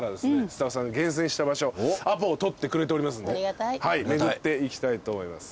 スタッフさんが厳選した場所アポを取ってくれておりますんで巡っていきたいと思います。